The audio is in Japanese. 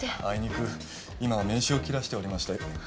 あいにく今は名刺を切らしておりまして。